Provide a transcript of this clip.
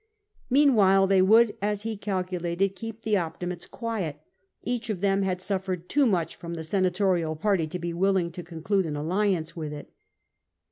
Meanwhile they would, as he calculated, keep the Optimates quiet ; each of them had suffered too much from the senatorial party to be willing to conclude an alliance with it.